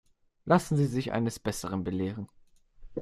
Lassen Sie sich eines Besseren belehren.